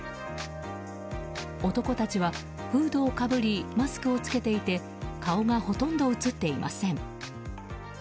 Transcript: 男たちはフードをかぶりマスクを着けていて顔がほとんど映っていません。